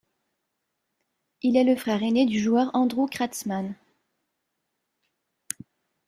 Il est le frère ainé du joueur Andrew Kratzmann.